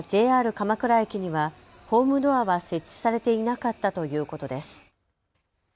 鎌倉駅にはホームドアは設置されていなかったということです。